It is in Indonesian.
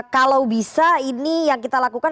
kalau bisa ini yang kita lakukan